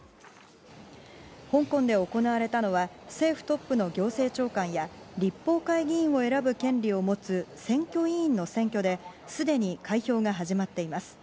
香港で行われたのは政府トップの行政長官や立法会議員を選ぶ権利を持つ選挙委員の選挙ですでに開票が始まっています。